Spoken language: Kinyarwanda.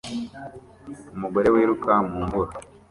Umugore wiruka mu mvura